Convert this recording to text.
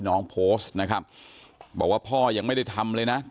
น้องโพสต์นะครับบอกว่าพ่อยังไม่ได้ทำเลยนะ